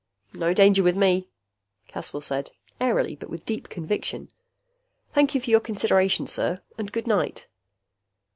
"No danger with me," Caswell said, airily but with deep conviction. "Thank you for your consideration, sir. And good night."